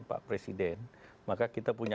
pak presiden maka kita punya